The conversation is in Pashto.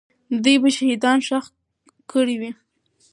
دوی به شهیدان ښخ کړي وي.